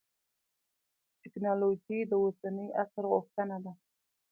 تکنالوجي د اوسني عصر غوښتنه ده.